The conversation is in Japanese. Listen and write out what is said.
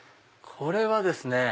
これはですね。